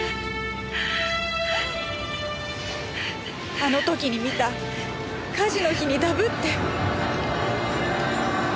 あの時に見た火事の火にだぶって。